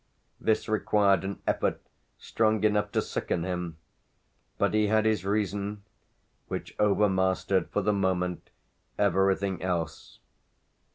This required an effort strong enough to sicken him; but he had his reason, which over mastered for the moment everything else.